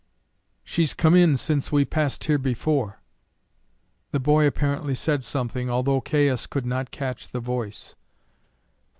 "She's come in since we passed here before." The boy apparently said something, although Caius could not catch the voice.